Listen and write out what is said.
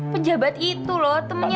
pejabat itu loh temennya